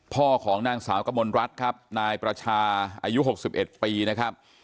พ่อของนางสาวกมลรัฐครับนายประชาอายุ๖๑ปีนะครับ